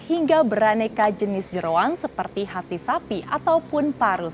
hingga beraneka jenis jeruan seperti hati sapi ataupun paru